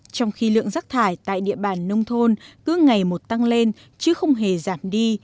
trong khi lượng rác thải tại địa bàn nông thôn cứ ngày một tăng lên chứ không hề giảm đi